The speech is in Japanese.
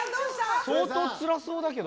相当つらそうだけど。